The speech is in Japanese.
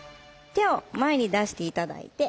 手を前に出して頂いて。